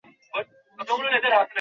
আর এই তো সবে আরম্ভ।